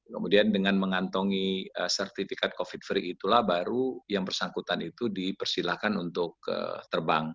kemudian dengan mengantongi sertifikat covid free itulah baru yang bersangkutan itu dipersilahkan untuk terbang